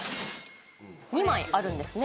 ２枚あるんですね。